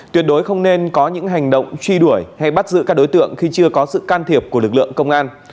tuyệt đối không nên có những hành động truy đuổi hay bắt giữ các đối tượng khi chưa có sự can thiệp của lực lượng công an